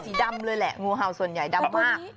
ดำเลยแหละงูเห่าส่วนใหญ่ดำมาก